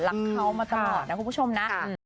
รักเขามาตลอดนะคุณผู้ชมนะ